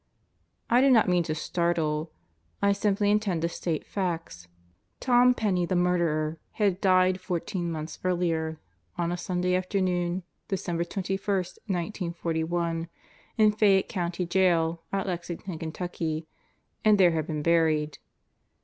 I do not mean to startle. I simply intend to state facts. Tom Penney the murderer had died fourteen months earlier on a Sunday afternoon, December 21, 1941 in Fayette County Jail at Lexington, Kentucky; and there had been buried.